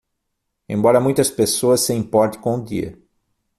Embora muitas pessoas se importem com o dia